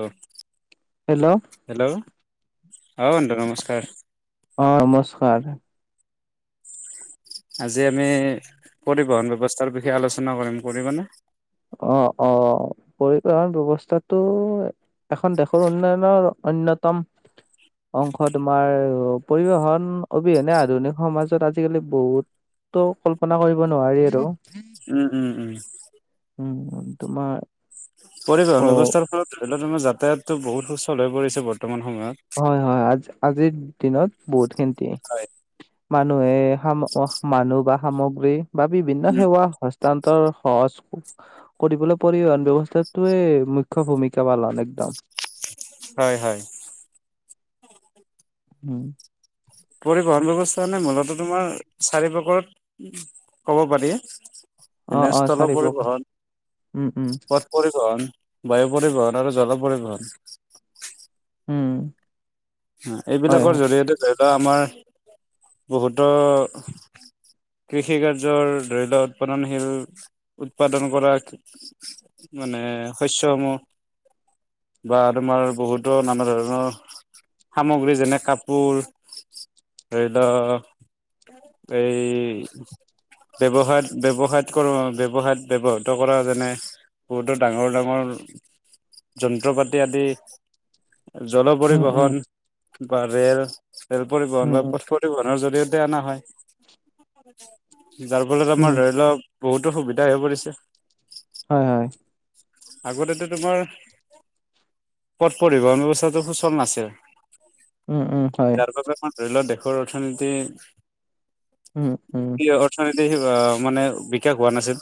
আহেল hello hello অ বন্ধু নমস্কাৰ অ নমস্কাৰ আজি আমি পৰিবহণ ব্যৱস্থাৰ বিষয়ে আলোচনা কৰিম কৰিবনেে অ অ পৰিবহন ব্যৱস্থাটো এখন দেশৰ উন্নয়নৰ অন্যতম অংশ তোমাৰ পৰিবহন অবিহনে আধুনিক সমাজত আজিকালি বহুত তো কল্পনা কৰিব নোৱাৰি আৰু উম উম উম উম তোমাৰ পৰিবহন অ ব্যৱস্থাৰ ফলত ধৰি লও তোমাৰ যাতায়াততো বহুত সুচল হৈ পৰিছে বৰ্তমান সময়ত। হয় হয় আজ আজিৰ দিনত বহুতখিনি হয় মানুহে মানুহ বা সামগ্ৰী বা বিভিন্ন উম সেৱা সান্তৰ সহজ কৰিবলৈ পৰিবহন ব্যৱস্থাটোৱে মুখ্য্ ভূমিকা পালন একদম হয় হয় উম পৰিবহন ব্যৱস্থা মানে মূলত তোমাৰ চাৰি পাকৰত কব পাৰি অ এনে অ স্থল চাৰিব পৰিবহন উম উম পথ পৰিবহন বায়ু পৰিবহন আৰু জল পৰিবহন উম হয়, এইবিলাকৰ হয়। জৰিয়তে ধৰি লও আমাৰ বহুতো কৃষি কাৰ্যৰ ধৰি লোৱাক উৎপাদনশীল উৎপাদন কৰা মানে শস্যসমূহ বা তোমাৰ বহুতো নানা ধৰণৰ সামগ্ৰী যেনে কাপোৰ ধৰি লওক এই ব্যয়ৱসায়ত ব্যয়ৱসায়ত কৰো ব্যৱসায়ত ব্যৱহৃত কৰা যেনে বহুতো ডাঙৰ ডাঙৰ যন্ত্ৰ পাতি আদি জল উম, উম, পৰিবহণ বা ৰেল ৰেল পৰিবহণ উম, বা উম, পথ পৰিবহণ জৰিয়তে অনা হয় যাৰ ফলত উম, আমাৰ ধৰি লওক বহুতো সুবিধা হৈ পৰিছে হয়, হয়। আগতেতো তোমাৰ পথ পৰিবহন ব্যৱস্থাটো সুচল নাছিল উম উম হয় ধৰিলক দেশৰ অৰ্থনীতি উম উম অৰ্থনীতি মানে বিকাশ হোৱা নাছিল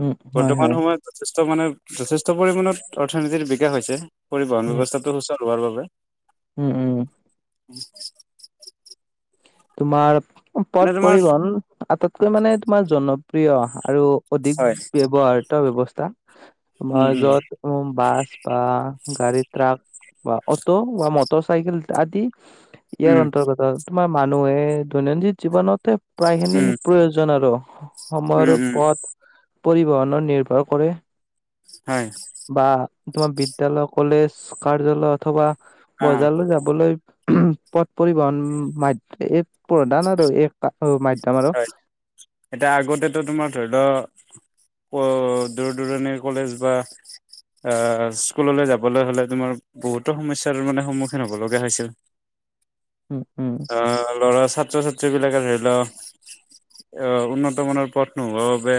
উম, হয়, বৰ্তমান হয়। সময়ত যথেষ্ট মানে যথেষ্ট পৰিমণত অৰ্থনীতিৰ বিকাশ হৈছে পৰিবহণ উম, ব্যৱস্থাটো সুচল হোৱাৰ বাবে উম উম [unintelligible] তোমাৰ পথ এনে তোমাৰ পৰিবহন আটাইতকৈ মানে তোমাৰ জনপ্ৰিয় অহা আৰু অধিক হয় ব্যৱহাৰত ব্যৱস্থা উম আমাৰ উম যত বাছ বা গাড়ী ট্ৰাক বা অটো বা মটৰ চাইকেল আদি ইয়াৰ উম অন্তৰ্গতত মানুহে দৈনন্দিন জীৱনতে প্ৰায় খিনি উম প্ৰয়োজন আৰু উম সময়ৰ উম পথ পৰিবহনৰ নিৰ্ভৰ কৰে হয় বা তোমাৰ বিদ্যালয় কলেজ কাৰ্যালয় অথবা অ বজাৰলৈ যাবলৈ পথ পৰিবহণ মাধ--এক প্ৰধান আৰু এক হয় এতিয়া আগতেতো তোমাৰ ধৰি ল দূৰ দূৰণিৰ কলেজ বা আহ স্কুললৈ যাবলৈ হলে তোমাৰ বহুতো সমস্যাৰ মানে সন্মুখীন হব লগা হৈছিল [inaudible] উম, উম। অ লৰা ছাত্ৰ ছাত্ৰীবিলাকে ধৰি লওক উন্নতমানৰ পথ নোহোৱাৰ বাবে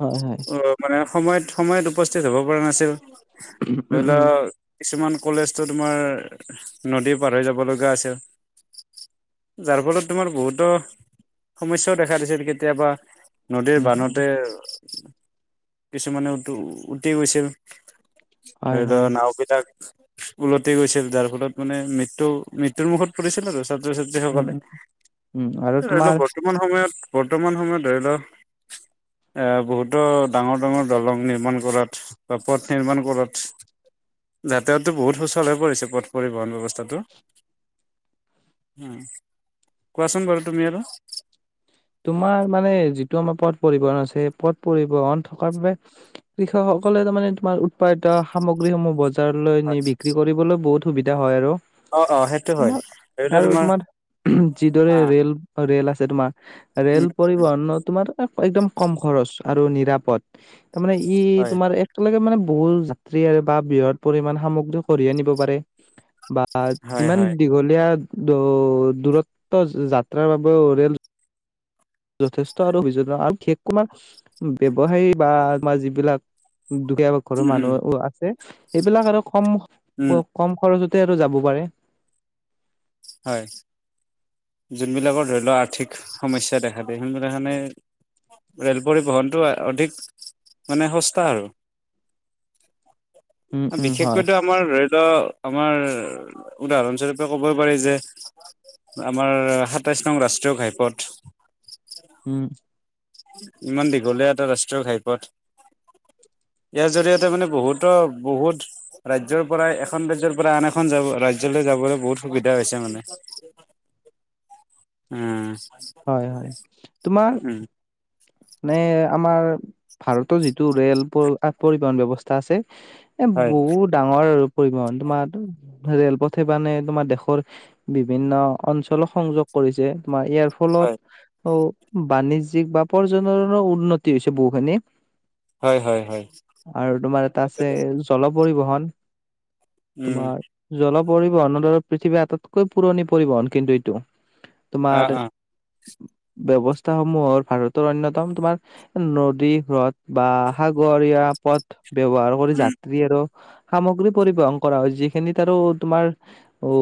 হয়, হয়। অ মানে সময়ত সময়ত উপস্থিত হব পৰা নাছিল উম ধৰি লোৱা উম কিছুমান কলেজতো তোমাৰ নদীৰ পাৰৰি যাব লগা আছে যাৰ ফলত তোমাৰ বহুতো সমস্যয়াও দেখা দিছিল কেতিয়াবা নদীৰ উম, উম। বান্ধোতেতে কিছুমানে উ উটি গৈছিল হয়, ধৰি লও হয়। নাওবিলাক ওলটি গৈছিল যাৰ ফলত মানে মৃত্যু মৃত্যুৰ মুখত ফুৰিছিল আৰু ছাত্ৰ উম, ছাত্ৰীসকলে উম। উম, আৰু ধৰি লও তোমাৰ বৰ্তমান সময়ত বৰ্তমান সময়ত ধৰি লও এ বহুতো ডাঙৰ ডাঙৰ দলং নিৰ্মাণ কৰাত বা পথ নিৰ্মাণ কৰাত যাতায়াততো বহুত সুচল হৈ পৰিছে পথ পৰিবহণ ব্যৱস্থাটো উ কোৱাচোন বাৰ তুমি আৰু তোমাৰ মানে যিটো আমাৰ পথ পৰিবহন আছে সেই পথ পৰিবহন থকাৰ বাবে কৃষক সকলে তাৰমানে তোমাৰ উৎপাদিত সামগ্ৰীসমূহ বজাৰলৈ নি বিক্ৰী কৰিবলৈ বহুত সুবিধা হয় আৰু অ অ সেইটো হয় ধৰি লোৱা তোমাৰ আৰু তোমাৰ যিদৰে আহ ৰেল ৰেল আছে তোমাৰ ৰেল উম উম পৰিবহন তোমাৰ একদম কম খৰচ আৰু নিৰাপদ তাৰমানে ই হয় তোমাৰ একটালৈকে মানে বহুত যাত্ৰী আৰু বা বৃহৎ পৰি সামগ্ৰী কঢ় আনিব পাৰে বা হয় যিমান হয় দীঘলীয়া দূৰত্ব যাত্ৰাৰ বাবেও ৰেল যথেষ্ট আৰু অভিয আৰু বিশেষকণাৰ ব্যৱসায়ী বা আমাৰ যিবিলাক দুখীয়াাক ঘৰৰ উম উম মানুহ আছে এইবিলাক আৰু কম উম কম খৰচত আৰু যাব পাৰে হয় যোনবিলাকৰ ধৰি লওক আৰ্থিক সমস্যা দেখা দিয় সেইবিলাকখানে ৰেল পৰিবহণটো অধিক মানে সস্তা আৰু উম উম হয় বিশেষকৈতো আমাৰ ৰেল আমাৰ উদাহৰণস্বৰূপে ক'ব পাৰি যে আমাৰ সাতাইছ নং ৰাষ্ট্ৰীয় ঘাইপথ উম ইমান দীঘলীয়া এটা ৰাষ্ট্ৰীয় ঘাইপথ ইয়াৰ জৰিয়তে মানে বহুতো বহুত ৰাজ্যৰ পৰা এখন ৰাজ্যৰ পৰা আন এখন যাব ৰাজ্যলৈ যাবলৈ বহুত সুবিধা হৈছে মানে উম হয় হয় তোমাৰ উম মানে আমাৰ ভাৰতৰ যিটো ৰেল পৰিবহন ব্যৱস্থা আছে এ হয় বহুত ডাঙৰ পৰিবহণ তোমাৰ ৰেলপথেনে তোমাৰ দেশৰ বিভিন্ন অঞ্চলৰ সংযোগ ছে তোমাৰ ইয়াৰ হয় ফলত অ বাণিজ্যিক বা উপাৰ্জনৰ উন্নতি হৈছে বহুখিনি হয় হয় হয় আৰু তোমাৰ এটা আছে জল পৰিবহন উম তোমাৰ জল পৰিবহনৰ দৰে পৃথিৱীৰ আটাইতকৈ পুৰণি পৰিবহন কিন্তু এইটো অ তোমাৰ অ ব্যৱস্থা সমূহৰ ভাৰত অন্যতম তোমাৰ নদী হ্ৰদ বা সাগৰীয়া পথ ব্যৱহাৰ কৰি উম যাত্ৰী আৰু সামগ্ৰী পৰিবহন কৰা হয় যিখিনিত আৰু তোমাৰ উ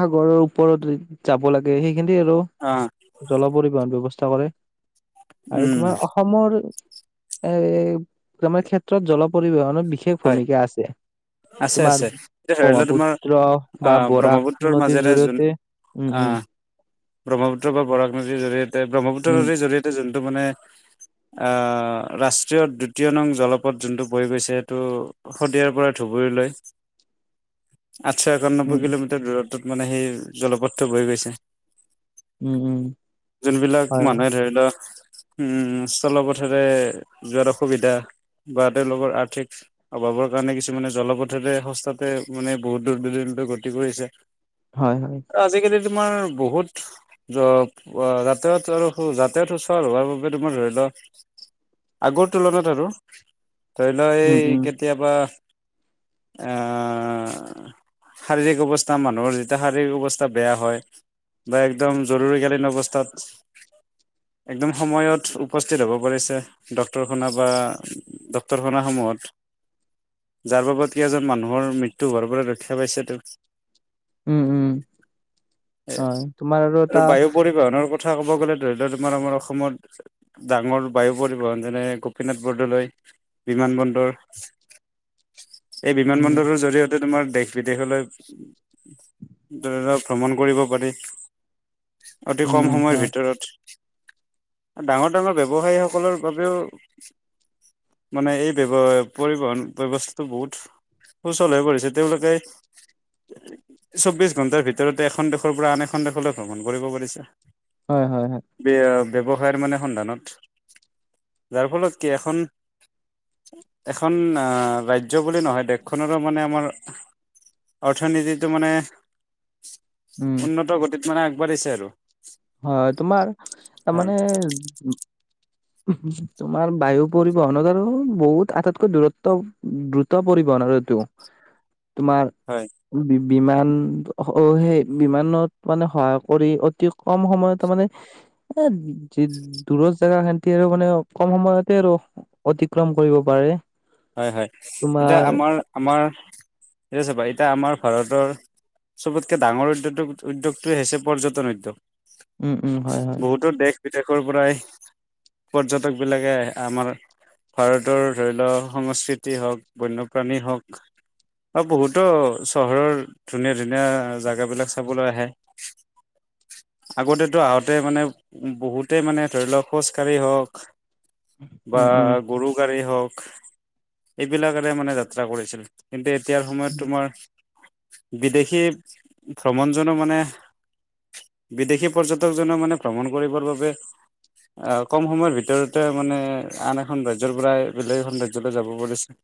সাগৰৰ ওপৰত যাব লাগে সেই সখি আৰু অ জল পৰিবহন ব্য্ৱস্থা কৰে আৰু উম তোমাৰ অসমৰ এ তোমাৰ ক্ষেত্ৰত জল পৰিবহন বিশেষ হয় ভূমিকা আছে আছে তোমাৰ আছে এতিয়া ধৰি লোৱা তোমাৰ ব্ৰহ্মপুত্ৰ বা আহ বৰাক ব্ৰহ্মপুত্ৰৰ নদীৰ মাজেৰে যোন জৰিয়তে উম উম আহ ব্ৰহ্মপুত্ৰ বা বৰাক নদীৰ জৰিয়তে ব্ৰহ্মপুত্ৰ উম নদীৰ জৰিয়তে যোনটো মানে আহ ৰাষ্ট্ৰীয় দ্বিতীয় নং জলপথ যোনটো বহি গৈছে সেইটো শদিয়াৰ পৰা ধুবুৰীলৈ আঠশ একান্বৈ উম কিলোমিটাৰ দূৰত ত মানে সেই জলপথটো বহি গৈছে উম উম যোনবিলাক হয় মানুহে ধৰি লোৱাক উম স্থলপথৰে যোৱাৰ অসুবিধা বা তেওঁলোকৰ আৰ্থিক অভাৱৰ কাৰণে কিছুমানে জলপথতে সস্তাতে মানে বহুত দূুৰ্বদিনতে গতি কৰিছে হয় হয় আজিকালি তোমাৰ বহুত যাতায়ত আৰু যাতায়াত সুচল হোৱাৰ বাবে তোমাৰ ধৰি লও আগৰ তুলনাত আৰু ধৰি লও উম এই উম কেতিয়াবা অ শাৰীৰিক অৱস্থা মানুহৰ যেতিয়া শাৰীৰিক অৱস্থা বেয়া হয় বা একদম জৰুৰীকালীন অৱস্থাত একদম সময়ত উপস্থিত হ'ব পাৰিছে ডক্তৰ খনা বা ড্ক্তৰ খনৰ সময় যাৰ বাবদ কেইজন মানুহৰ মৃত্যু হোৱাৰ পৰা ৰক্ষা পাইছেতো স উম উম হয়, তোমাৰ আৰু এটা বায়ু পৰিবহনৰ কথা ক'ব গ'লে ধৰি লও তোমাৰ আমাৰ অসমত ডাঙৰ বায়ু পৰিবহণ যেনে গোপীনাথ বৰদলৈ বিমান বন্দৰ এই বিমান উম, বন্দৰৰ জৰিয়তে তোমাৰ দেশ বিদেশলৈ লক ভ্ৰমণ কৰিব পাৰি অতি উম, কম উম, সময়ৰ হয়, ভিতৰত ডাঙৰ ডাঙৰ ব্যৱসায়ীসকলৰ বাবেও মানে এই ব্যৱ পৰিবহন ব্যৱস্থা তো বহুত সুচল হৈ পৰিছে তেওঁলোকে চৌবিশ ঘন্টাৰ ভিতৰতে এখন দেশৰ পৰা আন এখন দেশলৈ ভ্ৰমণ কৰিব পাৰিছে হয় হয় হয় ব্যৱসায়ৰ মানে সন্ধানত যাৰ ফলত কি এখন এখন আহ ৰাজ্য ৰাজ্য বুলি নহয় দেশখনৰো মানে আমাৰ অৰ্থনীতিটো মানে উম, উন্নত গতিত মানে আগবাঢ়িছে আৰু হয় তোমাৰ তাৰ হয় মানে তোমাৰ বায়ু পৰিবহনত আৰু বহুত আটাইতকৈ দূৰত্ব দ্ৰুত পৰিবহন আৰুটো [inaudible] তোমাৰ হয় বিমান অ সেই বিমানত মানে সহায় কৰি অতি কম সময়ত মানে এ যি দূৰৰ জেগা খান্তি আৰু মানে কম সময়তে আৰু অতিক্ৰম কৰিব পাৰে হয় হয় এতিয়া তোমাৰ আমাৰ আমাৰ এতিয়া চাবা এতিয়া আমাৰ ভাৰতৰ চবতকে ডাঙৰ উ্যদোগ উদ্যোগটোৱে হৈছে পৰ্যটন উদ্যোগ উম উম হয় হয় বহুতো দেশ বিদেশৰ পৰাই পৰ্যটকবিলাকে আমাৰ ভাৰতৰ ধৰি লওক সংস্কৃতি হওক বন্যপ্ৰাণী হওক অ বহুতো চহৰৰ ধুনীয়া ধুনীয়া জোগ বিলাক চাবলৈ আহে [inaudible] আগতেতো আহোঁতে মানে বহুতেই মানে ধৰি লওক খোজকাঢ়ি হওক বা উম, উম, গৰু গাড়ী হওক এইবিলাকেৰে মানে যাত্ৰা কৰিছিল কিন্তু এতিয়াৰ সময়ত তোমাৰ বিদেশী ভ্ৰমণ জো মানে বিদেশী পৰ্যটকজনে মানে ভ্ৰমণ কৰিবৰ বাবে অ কম সময়ৰ ভিতৰতে মানে আন এখন ৰাজ্যৰ পৰাই বেলেগ এখন ৰাজ্যয ৰাজলৈ যাব বুলিছে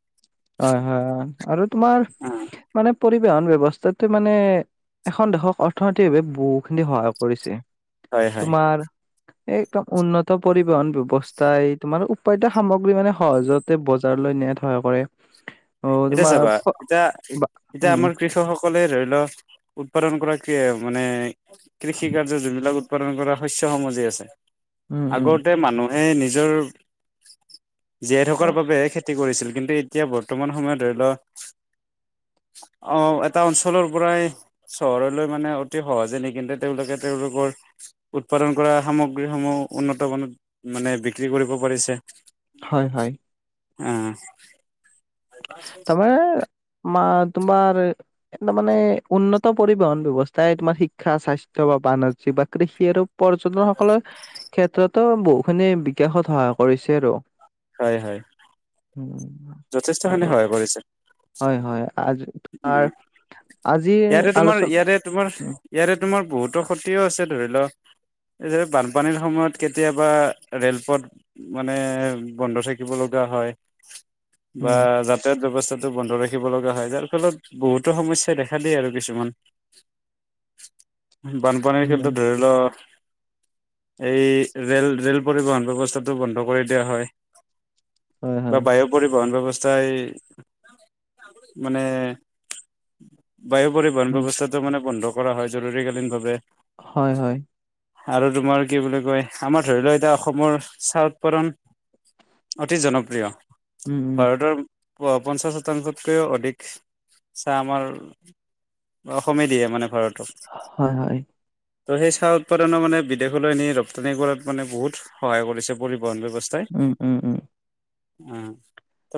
হয় হয় আৰু তোমাৰ মানে পৰিবহন ব্যৱস্থা মানে এখন দেশক অৰ্থনৈতিকভাৱে বহুখিনি সহায় কৰিছে হয় হয় তোমাৰ এ একদম উন্নত পৰিবহন ব্ৱস্থা এই তোমাৰ উপায়িত সামগ্ৰী মানে সহজতে বজাৰ লৈ নে সহায় কৰে অ' এতিয়া তোমাৰ চাবা ফ- এতিয়া বা এতিয়া উম, আমাৰ কৃষকসকলে উৎপাদন কৰা মানে কৃষি কাৰ্য যোন বিলাক উৎপাদন কৰা শস্যসমূহ যে আছে উম, উম। আগতে মানুহে নিজৰ জীয়াই থকাৰ বাবেহে খেতি কৰিছিল কিন্তু এতিয়া বৰ্তমান সময়ত ধৰি লও হয় অ এটা অঞ্চলৰ পৰাই চহৰলৈ মানে অতি সহজে নি কিন্তু তেওঁলোকে তেওঁলোকৰ উৎপাদন কৰা সামগ্ৰীসমূহ উন্নত মানত মানে বিক্ৰী কৰিব পাৰিছে হয়, হয়। অ [unintelligible] তোমাৰ এ তাৰ মানে উন্নত পৰিবহন ব্যৱস্থাই তোমাৰ শিক্ষা স্বাস্থ্য বা বাণিজ্যিক বাকৰি পৰ্যটন সকলৰ ক্ষেত্ৰতো বহুখিনি বিকাশত সহায় কৰিছে আৰু হয় হয় উম, আৰু যথেষ্টখিনি সহায় কৰিছে হয়, হয়। আজি উ তোমাৰ আজিৰ ইয়াৰে তোমাৰ আলোচনা ইয়াৰে তোমাৰ উম, ইয়াৰে তোমাৰ বহুত ফটো খতিও আছে ধৰি লও এইৰে বানপানীৰ সময়ত কেতিয়াবা ৰেলপথ মানে বন্ধ থাকিব লগা বা উম, যাতায়াত ব্যৱস্থা বন্ধ ৰাখিব লগা হয় যাৰ ফলত বহুতো সমস্যাই দেখা দিয়ে আৰু কিছুমান বানপানীৰ উম, ক্ষেত্ৰত ধৰি লোৱা এই ৰেল ৰেল পৰিবহণ ব্যৱস্থাটো বন্ধ কৰি দিয়া হয় হয়, হয়। পৰিবহণ ব্যৱস্থাই মানে বায়ু পৰিবহন উম, ব্যৱস্থাটো মানে বন্ধ কৰা হয় জৰুৰীকালীনভাৱে হয় হয় আৰু তোমাৰ কি বুলি কয় আমাৰ ধৰি লোৱাক এতিয়া অসমৰ চাহ উৎপাদন অতি উম, জনপ্ৰিয় উম, ভাৰতৰ পঞ্চাশ শতাংশতকৈও অধিক চাহ আমাৰ অসমে দিয়ে মানে ভাৰত হয় হয় ত' সেই চাহ উৎপাদন মানে বিদেশলৈ নি ৰপ্তানি কৰাত মানে বহুত সহায় কৰিছে পৰি বন ব্যৱস্থাই উম, উম, উম।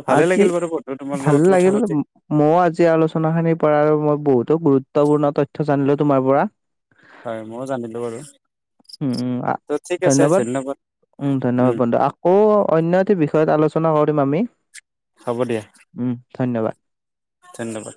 ভালে আজি লাগিল বাৰু তোমাৰ ভাল লগত কথা লাগিল পাতি ময়ো আজি আলোচনা খিনি কৰাৰ মই বহুতো গুৰুত্ব গুৰুত্বপূৰ্ণ তথ্য জানিলো তোমাৰ পৰা হয় ময়ো জানিলো বাৰু উম উম ত ঠিক আছে ধন্যবাদ উম ধন্যবাদ বন্ধু আকৌ অন্য এটা বিষয়ত আলোচ কৰিম আমি হ'ব দিয়া উম ধন্যবাদ ধন্যবাদ